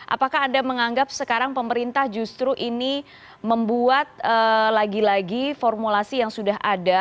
apakah anda menganggap sekarang pemerintah justru ini membuat lagi lagi formulasi yang sudah ada